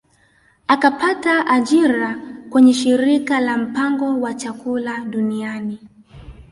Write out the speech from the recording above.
Akapata ajira kwenye shirika la mpango wa chakula duniani